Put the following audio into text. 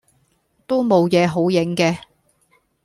都冇野好影既